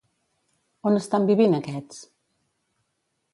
On estan vivint aquests?